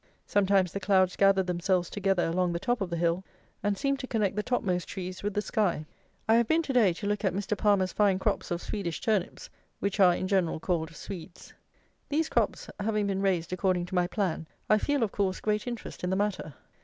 Sometimes the clouds gathered themselves together along the top of the hill, and seemed to connect the topmost trees with the sky. I have been to day to look at Mr. PALMER'S fine crops of Swedish Turnips, which are, in general, called "Swedes." These crops having been raised according to my plan, I feel, of course, great interest in the matter.